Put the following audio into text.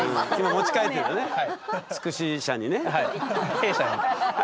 弊社に。